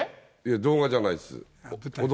動画じゃないです。